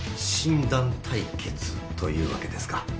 診断対決というわけですか。